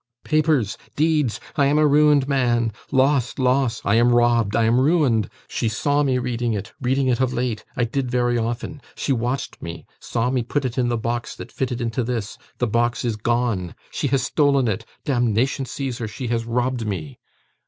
'Papers, deeds. I am a ruined man. Lost, lost! I am robbed, I am ruined! She saw me reading it reading it of late I did very often She watched me, saw me put it in the box that fitted into this, the box is gone, she has stolen it. Damnation seize her, she has robbed me!